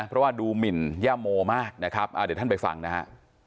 เพราะว่าดูหมินย่าโมมากนะครับเดี๋ยวท่านไปฟังนะฮะ